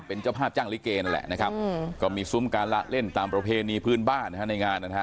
เป็นเจ้าภาพจ้างลิเกนั่นแหละนะครับก็มีซุ้มการละเล่นตามประเพณีพื้นบ้านนะฮะในงานนะฮะ